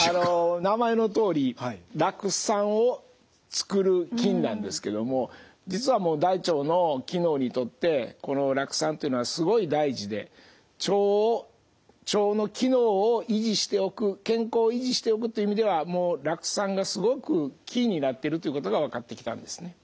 名前のとおり酪酸を作る菌なんですけども実は大腸の機能にとってこの酪酸というのはすごい大事で腸を腸の機能を維持しておく健康を維持しておくという意味ではもう酪酸がすごくキーになってるということが分かってきたんですね。